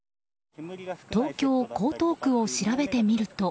東京・江東区を調べてみると。